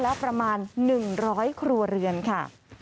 แล้วประมาณ๑๐๐ครัวเรือนค่ะ